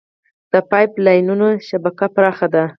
د پایپ لاینونو شبکه پراخه ده.